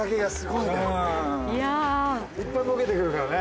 いっぱいボケてくるからね。